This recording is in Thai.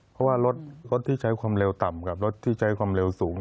เพราะว่ารถที่ใช้ความเร็วต่ำกับรถที่ใช้ความเร็วสูง